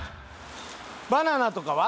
バナナとかは？